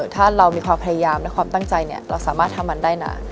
ถ้าเรามีความพยายามและความตั้งใจเราสามารถทำมันได้นะ